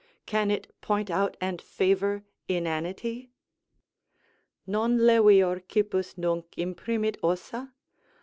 Can it point out and favour inanity? "Non levior cippus nunc imprimit ossa?